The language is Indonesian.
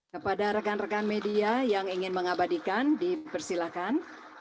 kepada rekan rekan media yang ingin mengabadikan dipersilakan